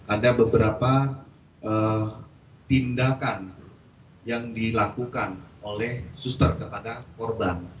ada beberapa tindakan yang dilakukan oleh suster kepada korban